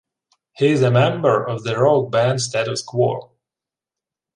He is a member of the rock band Status Quo.